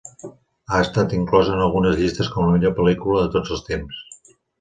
Ha estat inclosa en algunes llistes com la millor pel·lícula de tots els temps.